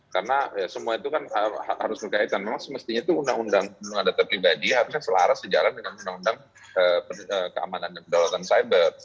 karena semua itu kan harus berkaitan memang semestinya itu undang undang perlindungan data pribadi harusnya selaras di jalan dengan undang undang keamanan dan kedaulatan cyber